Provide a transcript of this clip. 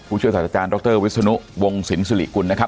ผู้เชื่อสาธาราจารย์ดรวิศนุวงศิลป์สุริกุลนะครับ